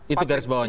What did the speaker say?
itu garis bawahnya